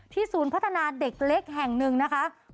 ที่ศูนย์พัฒนาเด็กเล็กแห่งนึงไว้